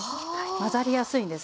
混ざりやすいんです